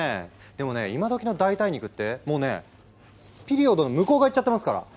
でもね今どきの代替肉ってもうねピリオドの向こう側いっちゃってますから！